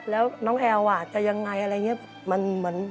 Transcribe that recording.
แล้วน้องแอลจะยังไงอะไรอย่างนี้